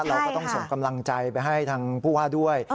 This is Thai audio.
เราก็ต้องส่งกำลังใจไปให้ทางผู้ว่าด้วย